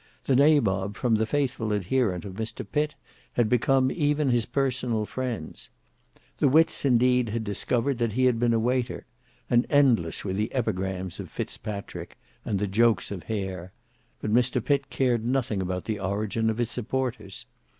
The Nabob from the faithful adherent of Mr Pitt had become even his personal friend. The wits indeed had discovered that he had been a waiter; and endless were the epigrams of Fitzpatrick and the jokes of Hare; but Mr Pitt cared nothing about the origin of his supporters.